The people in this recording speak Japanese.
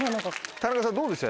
田中さんどうでした？